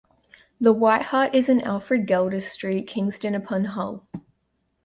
"The White Hart" is in Alfred Gelder Street, Kingston upon Hull.